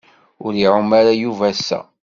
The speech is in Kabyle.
Ur iɛum ara Yuba ass-a.